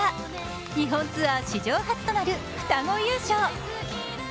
日本ツアー史上初となる双子優勝。